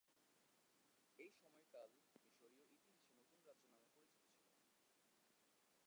এই সময়কাল মিশরীয় ইতিহাসে নতুন রাজ্য নামে পরিচিত ছিল।